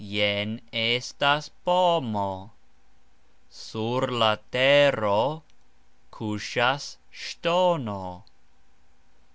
Jen estas pomo. Sur la tero kusxas sxtono.